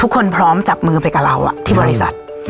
ทุกคนพร้อมจับมือไปกับเราอ่ะที่บริษัทอืม